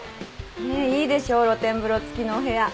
ねっいいでしょ露天風呂付きのお部屋。